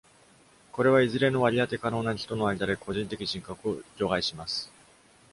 これはいずれの割り当て可能な人の間で個人的人格を除外します。